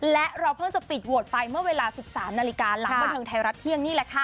และเราเพิ่งจะปิดโหวตไปเมื่อเวลา๑๓นาฬิกาหลังบันเทิงไทยรัฐเที่ยงนี่แหละค่ะ